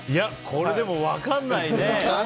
これ、でも分かんないね。